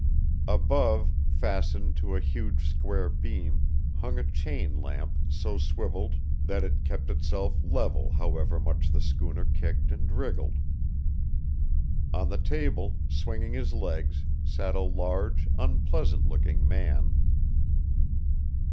Above, fastened to a huge square beam, hung a chain lamp so swiveled that it kept itself level however much the schooner kicked and wriggled. On the table, swinging his legs, sat a large, unpleasant looking man.